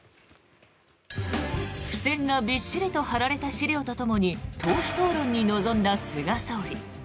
付せんがびっしりと貼られた資料とともに党首討論に臨んだ菅総理。